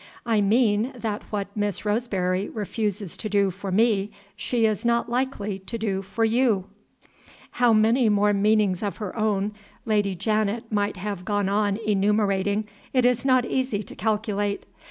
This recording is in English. I mean that what Miss Roseberry refuses to do for Me, she is not likely to do for You " How many more meanings of her own Lady Janet might have gone on enumerating, it is not easy to calculate.